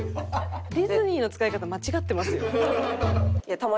ディズニーの使い方間違ってますよ。